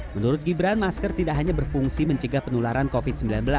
menurut gibran masker tidak hanya berfungsi mencegah penularan covid sembilan belas